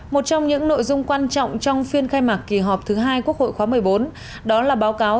một trong những nội dung quan trọng trong phiên khai mạc kỳ họp thứ hai quốc hội khóa một mươi bốn đó là báo cáo